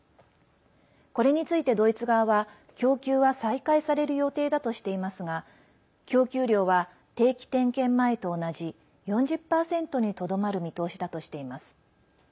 これについてドイツ側は供給は再開される予定だとしていますが供給量は定期点検前と同じ４０％にとどまる見通しだとしています。